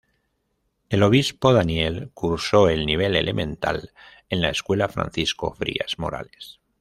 El Obispo Daniel cursó el nivel elemental en la Escuela Francisco Frías Morales.